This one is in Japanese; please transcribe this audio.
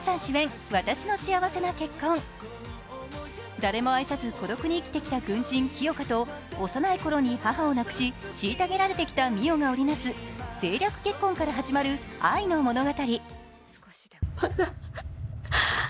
誰も愛さず、孤独に生きてきた軍人・清霞と、幼いころに母を亡くし、虐げられてきた美世が織りなす政略結婚から始まる愛の物語。